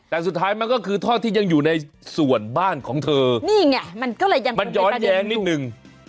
แต่สุดท้ายมันก็คือท่อที่ยังอยู่ในส่วนบ้านของเธอนี่ไงมันก็เลยยังไงมันย้อนแย้งนิดนึง